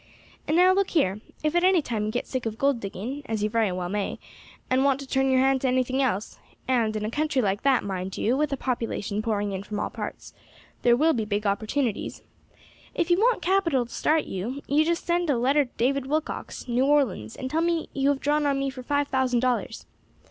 And now look here, if at any time you get sick of gold digging, as you very well may, and want to turn your hand to anything else and in a country like that, mind you, with a population pouring in from all parts, there will be big opportunities, if you want capital to start you, just you send a letter to David Willcox, New Orleans, and tell me you have drawn on me for five thousand dollars.